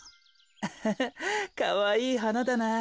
アハハかわいいはなだな。